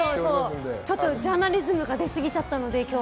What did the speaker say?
ジャーナリズムが出すぎちゃったので今日。